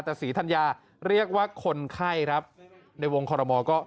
แต่ศรีธรรยาเรียกว่าคนไข้ครับในวงขัวโลมอก็